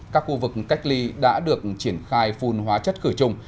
các khu vực cách ly đã được triển khai phun hóa chất cửa chung